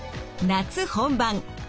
夏本番。